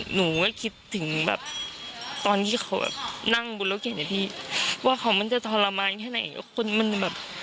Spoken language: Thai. หนูก็คิดถึงตอนที่เขานั่งบุรโลกเกณฑ์ใหญ่เพียว่าเขาจะทรมานแข็งแค่ไหน